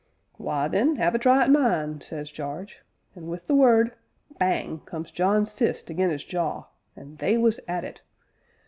'Why, then, 'ave a try at mine,' says Jarge; an' wi' the word, bang! comes John's fist again' 'is jaw, an' they was at it.